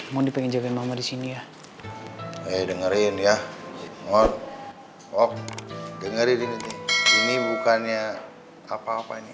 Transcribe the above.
mau dipengin jalan mama di sini ya eh dengerin ya ngomong ngomong dengerin ini bukannya apa apa ini